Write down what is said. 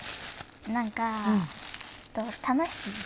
何か楽しい。